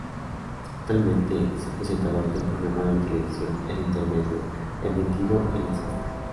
Actualmente es el presentador del programa de televisión "El intermedio", emitido en La Sexta.